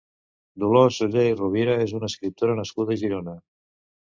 Dolors Oller i Rovira és una escriptora nascuda a Girona.